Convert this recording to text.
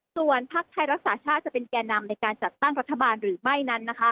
ส่วนภักดิ์ไทยรักษาชาติจะเป็นแก่นำในการจัดตั้งรัฐบาลหรือไม่นั้น